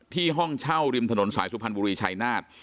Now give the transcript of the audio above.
ห้องเช่าริมถนนสายสุพรรณบุรีชายนาฏ